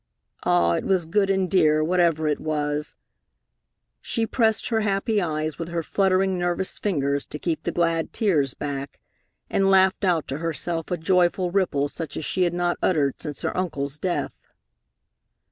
Ah, it was good and dear, whatever it was! She pressed her happy eyes with her fluttering, nervous fingers, to keep the glad tears back, and laughed out to herself a joyful ripple such as she had not uttered since her uncle's death.